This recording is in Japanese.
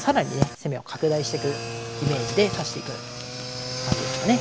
攻めを拡大してくイメージで指していく感じですかね。